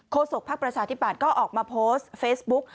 ศกภักดิ์ประชาธิปัตย์ก็ออกมาโพสต์เฟซบุ๊ก